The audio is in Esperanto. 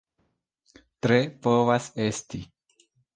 Tre povas esti.